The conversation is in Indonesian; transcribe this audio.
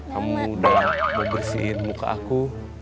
kamu udah bersihin muka aku